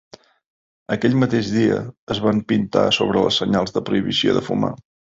Aquell mateix dia, es van pintar a sobre les senyals de prohibició de fumar.